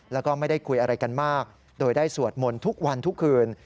แล้วก็ไม่ได้คุยอะไรกันมากโดยได้สวดมนต์ทุกวันทุกคืน